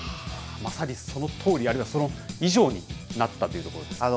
まさにそのとおり、または、それ以上になったというところですね。